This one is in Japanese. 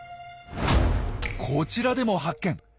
こちらでも発見。